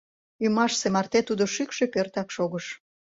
Ӱмашсе марте тудо шӱкшӧ пӧртак шогыш.